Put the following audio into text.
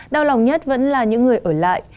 đau lòng nhất vẫn là những người ở lại